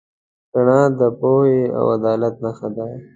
رڼا د پوهې او عدالت نښه ده.